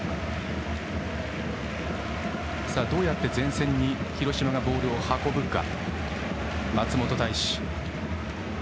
どうやって前線に広島ボールを運ぶか。